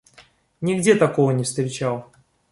Нигде такого не встречал.